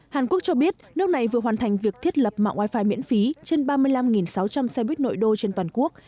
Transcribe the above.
hàn quốc cho biết nước này vừa hoàn thành việc thiết lập mạng wifi miễn phí trên ba mươi năm sáu trăm linh xe buýt nội đô trên toàn quốc